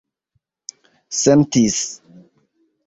sentis